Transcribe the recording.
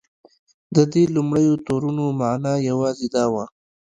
د دې لومړیو تورونو معنی یوازې دا وه.